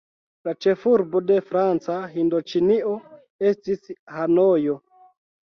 La ĉefurbo de Franca Hindoĉinio estis Hanojo.